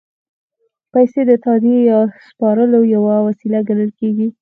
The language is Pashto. پیسې د تادیې یا سپارلو یوه وسیله ګڼل کېږي